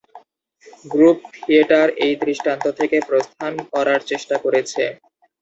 Group theatre এই দৃষ্টান্ত থেকে প্রস্থান করার চেষ্টা করেছে।